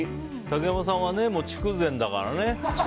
竹山さんは、筑前だからね。